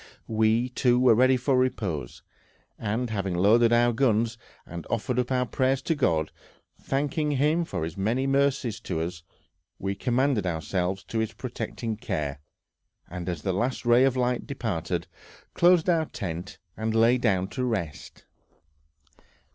We, too, were ready for repose, and having loaded our guns, and offered up our prayers to God, thanking Him for His many mercies to us, we commended ourselves to His protecting care, and as the last ray of light departed, closed our tent and lay down to rest.